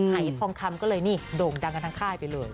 ไฮทองคำก็เลยดงดังกับทางค่ายไปเลย